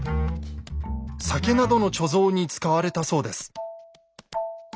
酒などの貯蔵に使われたそうです。